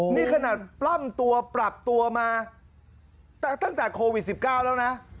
นี่ขนาดปล้ำตัวปรับตัวมาตั้งแต่โควิด๑๙แล้วนะ